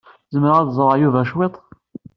Zemreɣ ad ẓreɣ Yuba cwiṭ?